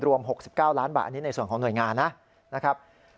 รวม๖๙ล้านบาทนี่ในส่วนของหน่วยงานนะ